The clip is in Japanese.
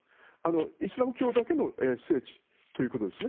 イスラム教だけの聖地ということですね。